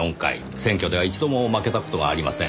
選挙では一度も負けた事がありません。